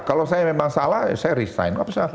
kalau saya memang salah saya resign